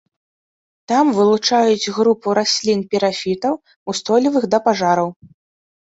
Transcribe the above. Там вылучаюць групу раслін-пірафітаў, устойлівых да пажараў.